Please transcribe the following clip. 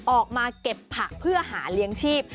ออกมาเก็บผักเพื่อหาเลี้ยงชีพ